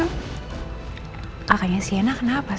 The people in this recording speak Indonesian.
kakaknya sienna kenapa